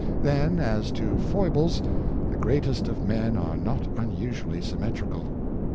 Then, as to foibles, the greatest of men are not unusually symmetrical.